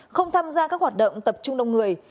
không tham gia các hoạt động tập trung đông người